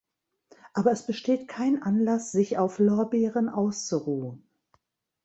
Aber es besteht kein Anlass, sich auf Lorbeeren auszuruhen.